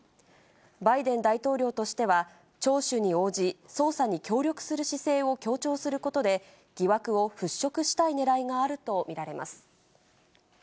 バイデン大統領としては、聴取に応じ、捜査に協力する姿勢を強調することで、疑惑を払拭したいねらいがあるものと見られます。